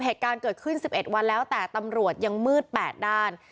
เหตุการณ์เกิดขึ้น๑๑วันแล้วแต่ตำรวจยังมืด๘ด้าน